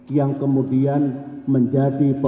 yang kemudian menjadi